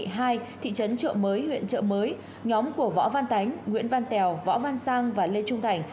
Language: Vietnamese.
thị trấn trợ mới huyện trợ mới nhóm của võ văn tán nguyễn văn tèo võ văn sang và lê trung thành